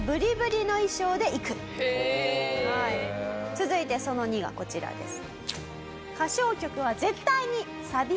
続いてその２がこちらです。